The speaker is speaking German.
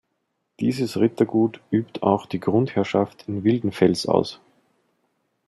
Dieses Rittergut übt auch die Grundherrschaft in Wildenfels aus.